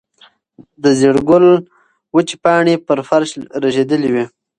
د زېړ ګل وچې پاڼې پر فرش رژېدلې وې.